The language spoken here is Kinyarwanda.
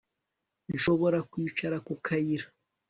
Nshobora kwicara ku kayira